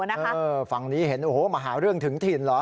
ฝั่งนี้เห็นโอ้โหมาหาเรื่องถึงถิ่นเหรอ